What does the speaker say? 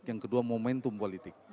yang kedua momentum politik